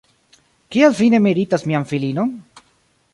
Kial vi ne meritas mian filinon?